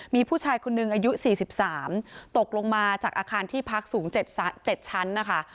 มีผู้ชายคนหนึ่งอายุ๔๓ตกลงมาจากอาคารที่พักสูง๗ชั้นนะคะ